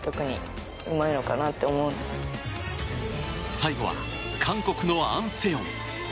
最後は韓国のアン・セヨン。